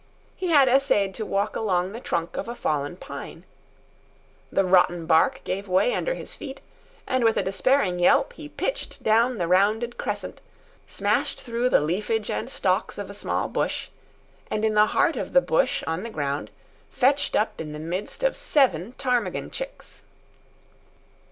He had essayed to walk along the trunk of a fallen pine. The rotten bark gave way under his feet, and with a despairing yelp he pitched down the rounded crescent, smashed through the leafage and stalks of a small bush, and in the heart of the bush, on the ground, fetched up in the midst of seven ptarmigan chicks.